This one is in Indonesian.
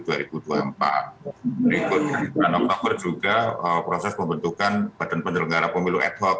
berikutnya di bulan oktober juga proses pembentukan badan penyelenggara pemilu ad hoc